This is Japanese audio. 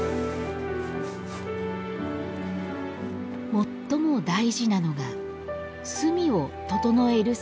最も大事なのがすみを整える作業。